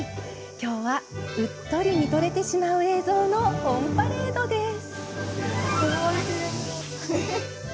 今日は、うっとり見とれてしまう映像のオンパレードです。